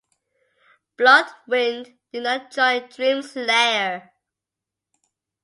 Bloodwynd did not join Dreamslayer.